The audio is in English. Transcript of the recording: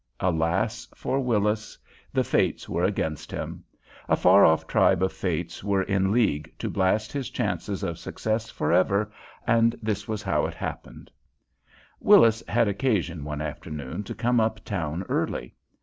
Alas for Willis! The fates were against him. A far off tribe of fates were in league to blast his chances of success forever, and this was how it happened: Willis had occasion one afternoon to come up town early.